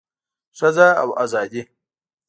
ښځه او ازادي